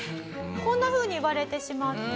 こんなふうに言われてしまって。